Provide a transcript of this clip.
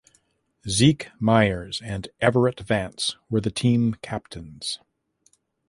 Zeke Myers and Everett Vance were the team captains.